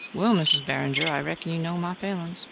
"Well, Mizzes Barringer, I reckon you know my failin's."